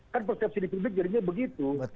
kan persepsi di publik jadinya begitu